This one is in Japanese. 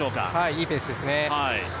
いいペースですね。